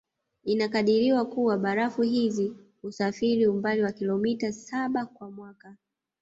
Inakadiriwa kua barafu hizi husafiri umbali wa kilometa saba kwa mwaka